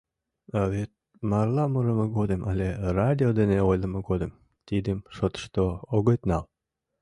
— А вет марла мурымо годым, але радио дене ойлымо годым тидым шотышко огыт нал.